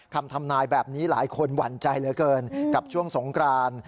ทำนายแบบนี้หลายคนหวั่นใจเหลือเกินกับช่วงสงกราน